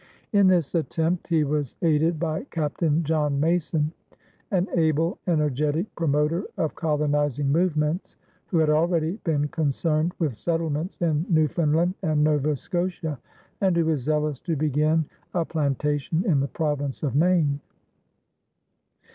In this attempt, he was aided by Captain John Mason, an able, energetic promoter of colonizing movements who had already been concerned with settlements in Newfoundland and Nova Scotia, and who was zealous to begin a plantation in the province of Maine.